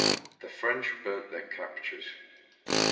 The French burnt their captures.